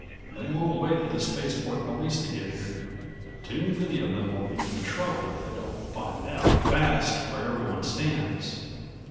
They won't wait for the Spaceport Police to get here. Too many of them will be in trouble if they don't find out fast where everyone stands.